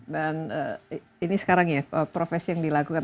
dan ini sekarang ya profesi yang dilakukan